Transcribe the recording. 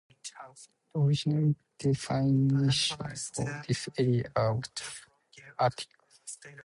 The original designation for this area was "Atticus".